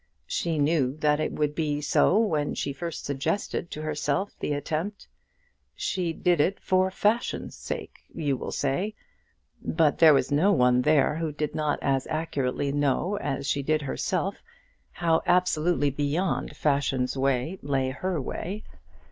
She knew that it would be so when she first suggested to herself the attempt. She did it for fashion's sake, you will say. But there was no one there who did not as accurately know as she did herself, how absolutely beyond fashion's way lay her way.